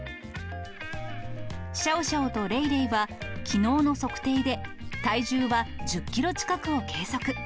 シャオシャオとレイレイは、きのうの測定で体重は１０キロ近くを計測。